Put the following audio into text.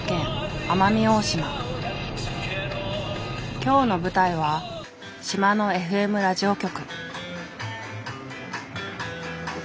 今日の舞台は島のＦＭラジオ局。